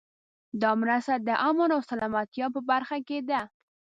دا مرسته د امن او سلامتیا په برخه کې ده.